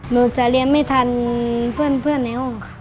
หนูจะเรียนไม่ทันเพื่อนในห้องค่ะ